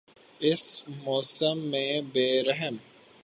اس موسم میں بے رحم